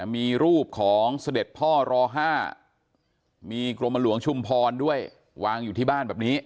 มีรูปของเสด็จพ่อร๕มีกรมหลวงชุมพรด้วยวางอยู่ที่บ้านแบบนี้